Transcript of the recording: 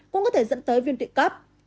cũng có thể dẫn tới viên tụy cấp